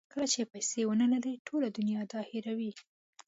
کله چې پیسې ونلرئ ټوله دنیا دا هیروي.